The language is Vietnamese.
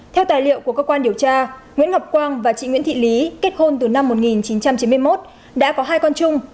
theo tài liệu của cơ quan điều tra nguyễn ngọc quang và chị nguyễn thị lý kết hôn từ năm một nghìn chín trăm chín mươi một đã có hai con chung